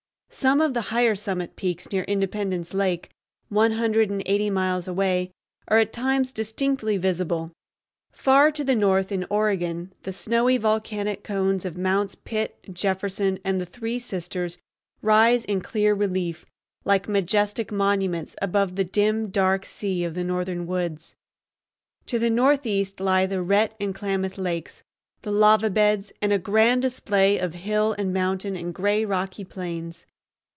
Some of the higher summit peaks near Independence Lake, one hundred and eighty miles away, are at times distinctly visible. Far to the north, in Oregon, the snowy volcanic cones of Mounts Pitt, Jefferson, and the Three Sisters rise in clear relief, like majestic monuments, above the dim dark sea of the northern woods. To the northeast lie the Rhett and Klamath Lakes, the Lava Beds, and a grand display of hill and mountain and gray rocky plains.